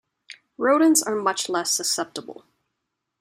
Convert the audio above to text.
Rodents are much less susceptible.